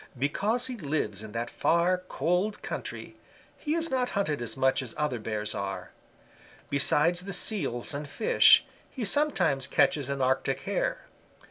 Because he lives in that far, cold country, he is not hunted as much as other bears are. Besides the Seals and fish, he sometimes catches an Arctic Hare.